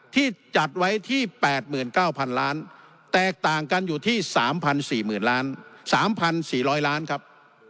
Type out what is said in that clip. ที่จัดไว้ที่๘๙๐๐ล้านแตกต่างกันอยู่ที่๓๔๓๔๐๐ล้านครับ